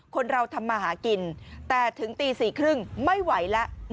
คนเราทำมาหากินแต่ถึงตี๔๓๐ไม่ไหวแล้ว